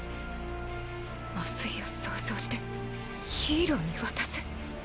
麻酔を創造してヒーローに渡す？